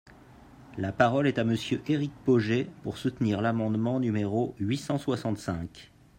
La parole est à Monsieur Éric Pauget, pour soutenir l’amendement numéro huit cent soixante-cinq.